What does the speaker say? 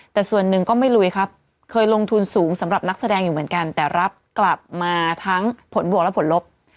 แต่ส่วนหนึ่งก็ไม่ลุยครับเคยลงทุนสูงสำหรับนักแสดงอยู่เหมือนกันแต่รับกลับมาทั้งผลบวกและผลลบ